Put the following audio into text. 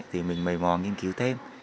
thì mình mầy mò nghiên cứu thêm